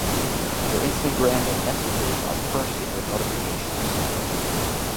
Your Instagram and messengers are bursting with notifications.